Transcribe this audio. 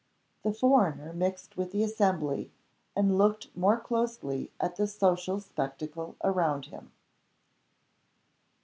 The foreigner mixed with the assembly, and looked more closely at the social spectacle around him.